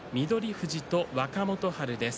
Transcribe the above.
富士と若元春です。